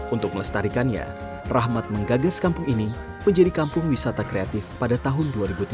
untuk melestarikannya rahmat menggagas kampung ini menjadi kampung wisata kreatif pada tahun dua ribu tiga belas